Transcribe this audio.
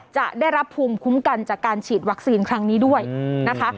จะได้รับภูมิคุ้มกันจากการฉีดวัคซีนครั้งนี้ด้วยนะคะ